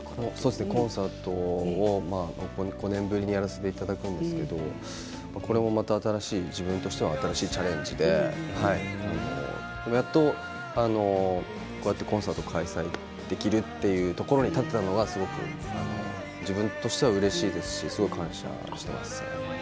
コンサートを５年ぶりにやらせていただくんですけれどこれもまた、自分としては新しいチャレンジでやっとこうやってコンサート開催できるというところに立てたのが、すごく自分としてはうれしいですしすごく感謝しています。